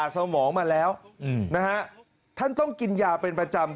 สมองมาแล้วนะฮะท่านต้องกินยาเป็นประจำ